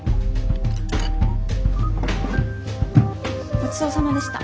ごちそうさまでした。